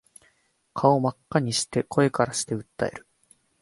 顔真っ赤にして声からして訴える